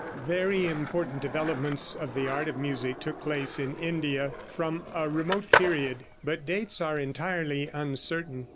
Very important developments of the art of music took place in India from a remote period, but dates are entirely uncertain.